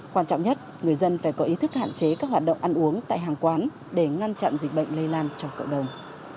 quan trọng nhất người dân phải có ý thức hạn chế các hoạt động ăn uống tại hàng quán để ngăn chặn dịch bệnh lây lan trong cộng đồng